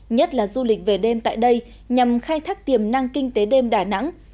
nhất là du lịch về đêm tại đây nhằm khai thác tiềm năng kinh tế đêm đà nẵng